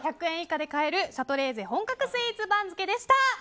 １００円以下で買えるシャトレーゼ本格スイーツ番付でした。